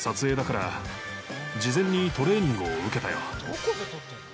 「どこで撮ったの？」